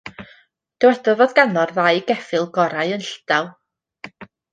Dywedodd fod ganddo'r ddau geffyl gorau yn Llydaw.